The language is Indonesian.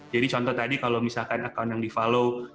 jadi contoh tadi kalau misalkan account yang di follow